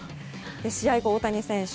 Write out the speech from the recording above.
試合後、大谷選手